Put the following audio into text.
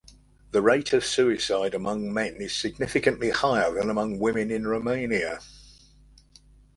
The rate of suicide among men is significantly higher than among women in Romania.